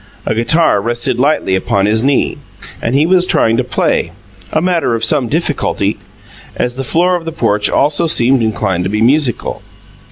A guitar rested lightly upon his knee, and he was trying to play a matter of some difficulty, as the floor of the porch also seemed inclined to be musical.